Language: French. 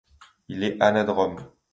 Il est anadrome.